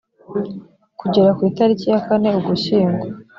kugera ku italiki ya kane ugushyingo